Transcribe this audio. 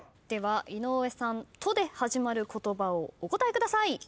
では井上さん「と」で始まる言葉をお答えください。